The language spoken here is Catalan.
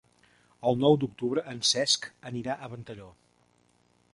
El nou d'octubre en Cesc anirà a Ventalló.